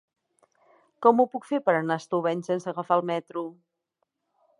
Com ho puc fer per anar a Estubeny sense agafar el metro?